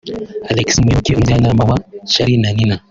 Alex Muyoboke umujyanama wa Charly na Nina